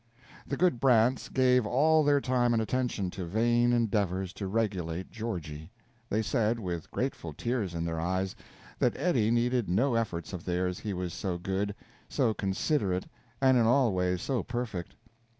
The good Brants gave all their time and attention to vain endeavors to regulate Georgie; they said, with grateful tears in their eyes, that Eddie needed no efforts of theirs, he was so good, so considerate, and in all ways so perfect.